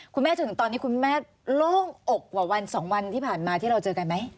จนถึงตอนนี้คุณแม่โล่งอกกว่าวัน๒วันที่ผ่านมาที่เราเจอกันไหม